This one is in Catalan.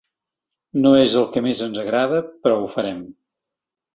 No és el que més ens agrada però ho farem.